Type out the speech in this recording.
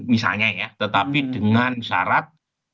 misalnya ya tetapi dengan syarat